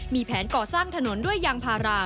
มีแผนก่อสร้างถนนด้วยยางพารา